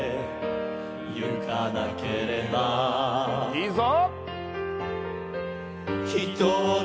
いいぞ！